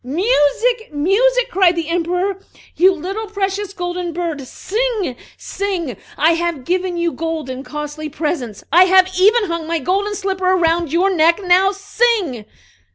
"Music! music!" cried the Emperor. "You little precious golden bird, sing, sing! I have given you gold and costly presents; I have even hung my golden slipper around your neck now, sing!"